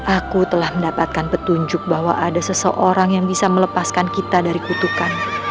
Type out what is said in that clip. aku telah mendapatkan petunjuk bahwa ada seseorang yang bisa melepaskan kita dari kutukan